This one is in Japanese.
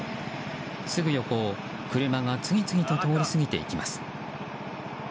すぐ横を車が次々と通り過ぎていきます。